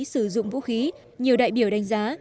sử dụng vũ khí nhiều đại biểu đánh giá